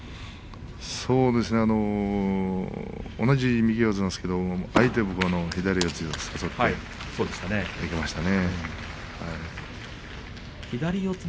そうですね同じ右四つなんですが左四つに誘っていきましたね。